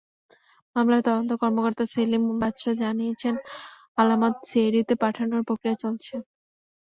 মামলার তদন্ত কর্মকর্তা সেলিম বাদশা জানিয়েছেন, আলামত সিআইডিতে পাঠানোর প্রক্রিয়া চলছে।